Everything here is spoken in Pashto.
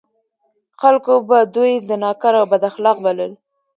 خلکو به دوی زناکار او بد اخلاق بلل.